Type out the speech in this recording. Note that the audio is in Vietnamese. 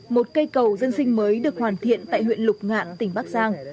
một cây cầu dân sinh mới được hoàn thiện tại huyện lục ngạn tỉnh bắc giang